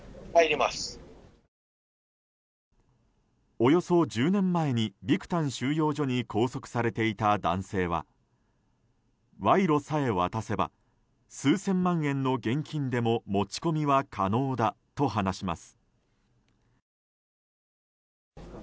およそ１０年前にビクタン収容所に拘束されていた男性は賄賂さえ渡せば数千万円の現金でも持ち込みは可能だと話します。